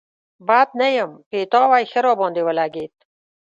بد نه يم، پيتاوی ښه راباندې ولګېد.